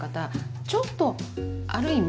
ちょっとある意味